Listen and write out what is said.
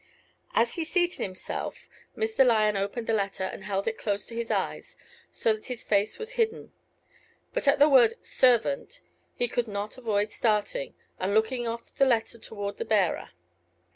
As he seated himself, Mr. Lyon opened the letter, and held it close to his eyes, so that his face was hidden. But at the word "servant" he could not avoid starting, and looking off the letter toward the bearer.